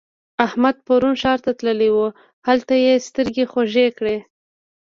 احمد پرون ښار ته تللی وو؛ هلته يې سترګې خوږې کړې.